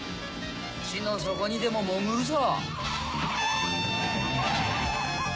地の底にでも潜るさ。